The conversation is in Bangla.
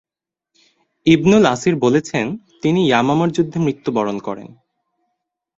ইবনুল আসির বলেছেন, তিনি ইয়ামামার যুদ্ধে মৃত্যুবরণ করেন।